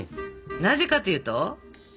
なぜかというと？